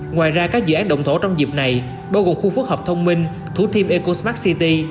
ngoài ra các dự án động thổ trong dịp này bao gồm khu phức hợp thông minh thủ thiêm ecosmart city